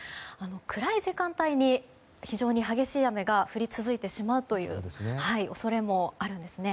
暗い時間帯に、非常に激しい雨が降り続いてしまうという恐れもあるんですね。